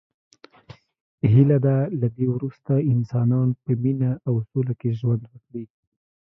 هیله ده له دی وروسته انسانان په مینه او سوله کې ژوند وکړي.